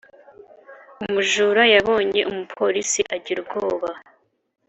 umujura yabonye umuporisi agira ubwoba.